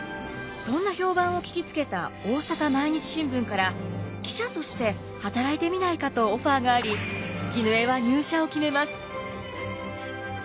そんな評判を聞きつけた大阪毎日新聞から記者として働いてみないかとオファーがあり絹枝は入社を決めます。